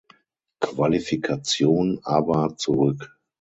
Qualifikation aber zurück.